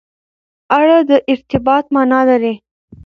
اړه د ارتباط معنا لري.